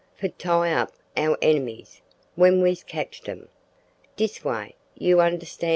"For tie up our enemies when we's catch dem. Dis way, you understan'."